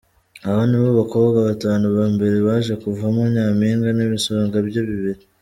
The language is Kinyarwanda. Aba nibo bakobwa batanu ba mbere baje kuvamo Nyampinga n'ibisonga bye bibiri.